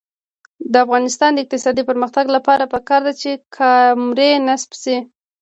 د افغانستان د اقتصادي پرمختګ لپاره پکار ده چې کامرې نصب شي.